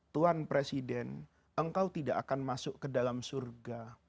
tuan presiden engkau tidak akan masuk ke dalam surga